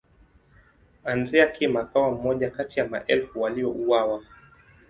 Andrea Kim akawa mmoja kati ya maelfu waliouawa.